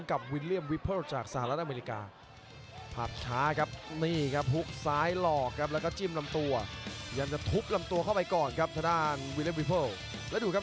แล้วดูครับเจ้าความสายตาของเผ็ดใสลุงครับ